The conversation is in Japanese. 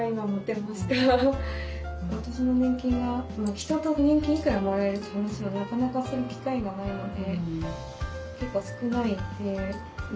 私の年金は人と「年金いくらもらえる」って話はなかなかする機会がないので。